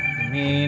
minumlah gitu air